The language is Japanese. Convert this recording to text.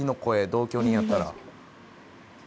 同居人やったら。